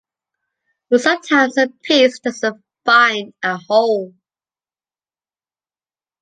But sometimes a piece doesn’t find a hole.